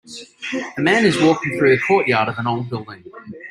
A man is walking through the courtyard of an old building.